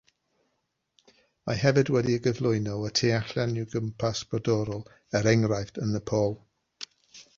Mae hefyd wedi'i gyflwyno y tu allan i'w gwmpas brodorol, er enghraifft yn Nepal.